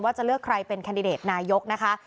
จะเลือกใครเป็นแคนดิเดตนายกนะคะ